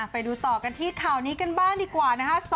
ไปดูต่อกันที่ข่าวนี้กันบ้างดีกว่านะคะ